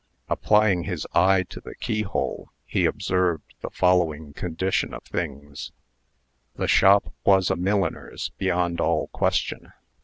Applying his eye to the keyhole, he observed the following condition of things: The shop was a milliner's, beyond all question.